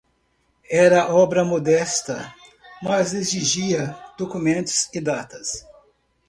era obra modesta, mas exigia documentos e datas